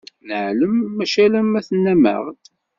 Neɛlem, mačči alamma tennam-aɣ-d.